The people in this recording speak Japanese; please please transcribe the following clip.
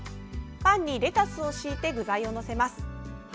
パンにレタスを敷いて具材を載せます。